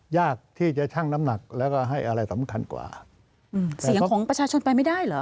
ยากที่จะชั่งน้ำหนักแล้วก็ให้อะไรสำคัญกว่าอืมเสียงของประชาชนไปไม่ได้เหรอ